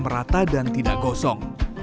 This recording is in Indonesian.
merata dan tidak gosong